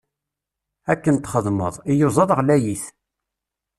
Akken txedmeḍ, iyuzaḍ ɣlayit.